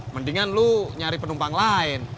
mendingan lu nyari penumpang lain